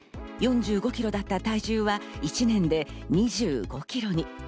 ４５キロだった体重は１年で２５キロに。